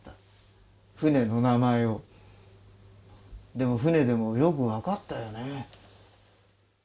でも船でもよく分かったよね。